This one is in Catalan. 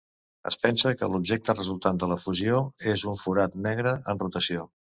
Es pensa que l'objecte resultant de la fusió és un forat negre en rotació.